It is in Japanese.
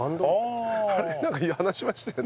あれなんか話しましたよね。